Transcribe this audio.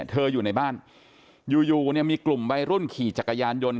เธออยู่ในบ้านอยู่มีกลุ่มใบรุ่นขี่จักรยานยนต์